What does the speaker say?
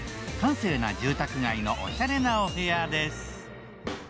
閑静な住宅街のおしゃれなお部屋です。